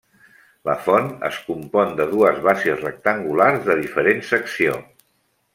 La font es compon de dues bases rectangulars de diferent secció.